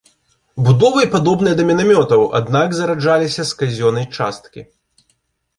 Будовай падобныя да мінамётаў, аднак зараджаліся з казённай часткі.